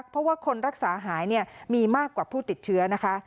เพราะว่าคนรักษาหายมีมากกว่าผู้ติดเชื้อนะคะ